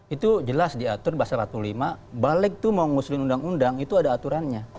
itu jelas diatur bahasa satu lima balek itu mau ngusulin undang undang itu ada aturannya